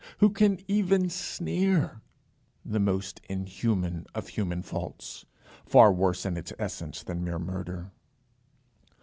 who can even sneer, the most inhuman of human faults, far worse in its essence than mere murder?